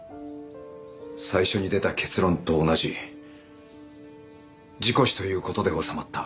最初に出た結論と同じ事故死という事で収まった。